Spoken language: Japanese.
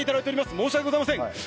申し訳ございません。